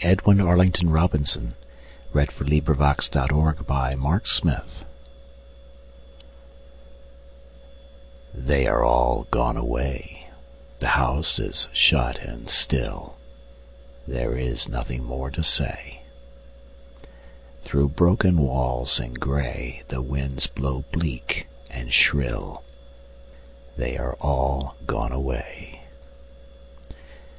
Edwin Arlington Robinson The House on the Hill THEY are all gone away, The house is shut and still, There is nothing more to say. Through broken walls and gray The winds blow bleak and shrill: They are all gone away.